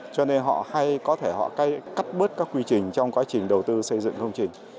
cho nên họ hay có thể cắt bớt các quy trình trong quá trình đầu tư xây dựng công trình